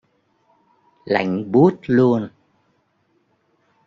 Lạnh buốt luôn